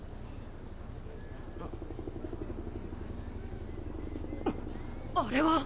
あっあれは！